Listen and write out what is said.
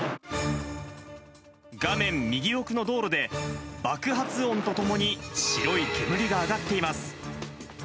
画面右奥の道路で、爆発音とともに、白い煙が上がっています。